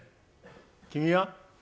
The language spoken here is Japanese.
君は？